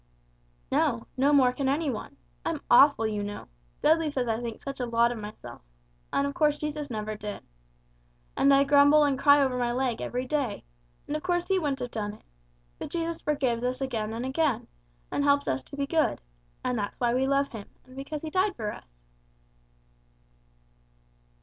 "No, nor more can any one. I'm awful, you know! Dudley says I think such a lot of myself. And of course Jesus never did. And I grumble and cry over my leg every day, and of course He wouldn't have done it. But Jesus forgives us again and again, and helps us to be good, and that's why we love Him, and because He died for us."